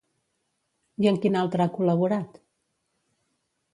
I en quin altre ha col·laborat?